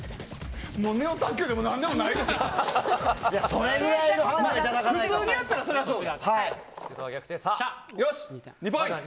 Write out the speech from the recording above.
ネオ卓球でも何でもないですやん。